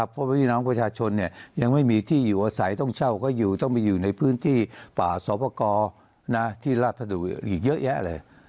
เพราะพี่น้องประชาชนยังไม่มีที่อยู่อาศัยต้องเช่าก็อยู่ต้องไปอยู่ในพื้นที่ป่าสอบประกอบที่ราชดุอีกเยอะแยะเลย